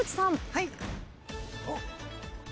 はい。